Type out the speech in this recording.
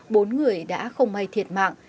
bốn người đã không may thiệt mạng